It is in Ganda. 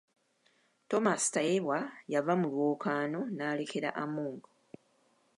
Thomas Tayebwa yava mu lwokaano n’alekera Among.